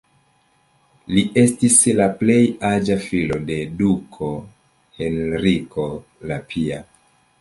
Li estis la plej aĝa filo de duko Henriko la Pia.